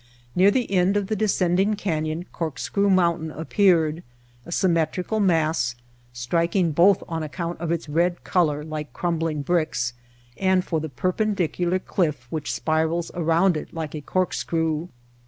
Near the end of the descending canyon Corkscrew Mountain appeared, a symmetrical mass, striking both on account of its red color like crumbling bricks and for the perpendicular clif¥ which spirals around it like a corkscrew.